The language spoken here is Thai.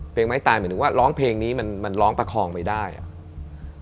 ไม้ตายหมายถึงว่าร้องเพลงนี้มันมันร้องประคองไปได้อ่ะ